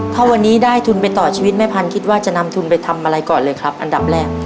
ถ้าวันนี้ได้ทุนไปต่อชีวิตแม่พันธุ์คิดว่าจะนำทุนไปทำอะไรก่อนเลยครับอันดับแรก